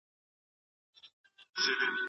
موږ په ناخوداګاه ډول د نورو اثر اخلو.